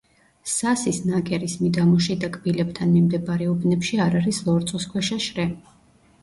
სასის ნაკერის მიდამოში და კბილებთან მიმდებარე უბნებში არ არის ლორწოსქვეშა შრე.